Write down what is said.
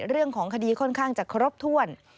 เรื่องของคดีค่อนข้างจะครบถ้วน